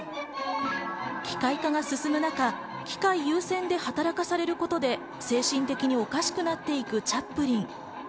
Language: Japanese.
機械化が進む中、機械優先で働かされることで精神的におかしくなっていくチャップリン。